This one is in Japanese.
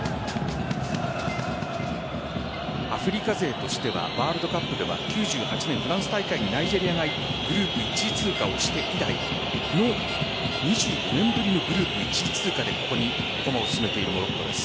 アフリカ勢としてはワールドカップでは９８年フランス大会にナイジェリアがグループ１位通過をして以来の２４年ぶりにグループ１位通過で、ここに駒を進めているモロッコです。